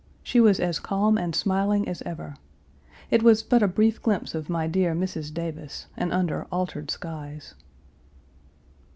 She was as calm and smiling as ever. It was but a brief glimpse of my dear Mrs. Davis, and under altered skies.